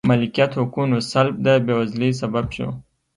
مالکیت حقونو سلب د بېوزلۍ سبب شو.